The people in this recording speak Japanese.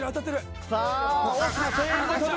さあ大きな声援がしてる。